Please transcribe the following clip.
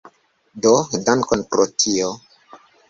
Do dankon pro tio.